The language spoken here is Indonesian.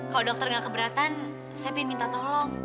kalau dokter gak keberatan saya pingin minta tolong